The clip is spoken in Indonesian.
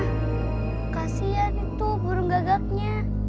karena kasihan itu burung gagaknya